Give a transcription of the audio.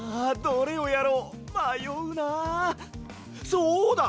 そうだ！